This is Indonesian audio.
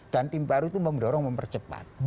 dan tim baru itu mendorong mempercepat